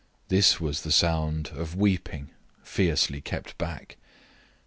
This was the sound of weeping fiercely kept back.